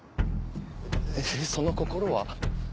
えっその心は？